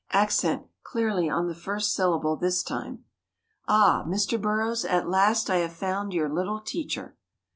Accent clearly on the first syllable this time. Ah! Mr. Burroughs, at last I have found your little "teacher."